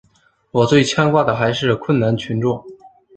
我最牵挂的还是困难群众。